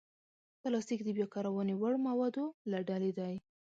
پلاستيک د بیا کارونې وړ موادو له ډلې دی.